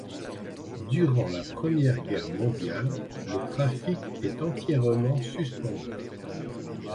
Durant la Première Guerre mondiale, le trafic est entièrement suspendu.